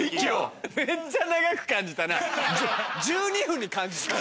めっちゃ長く感じたな？